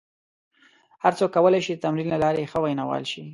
هر څوک کولای شي د تمرین له لارې ښه ویناوال شي.